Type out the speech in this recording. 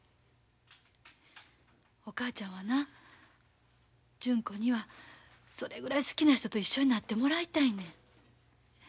お母ちゃんはな純子にはそれぐらい好きな人と一緒になってもらいたいねん。